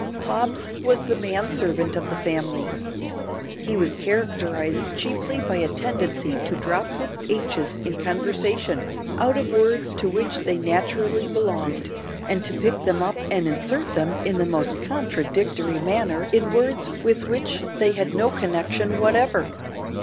Hobbs was the man servant of the family. He was characterised chiefly by a tendency to drop his h's in conversation, out of words to which they naturally belonged, and to pick them up and insert them in the most contradictory manner, in words with which they had no connection whatever.